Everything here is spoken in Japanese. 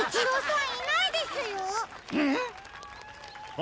ん？